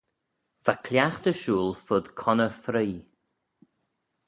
Va cliaghtey shooyl fud conney freoaie.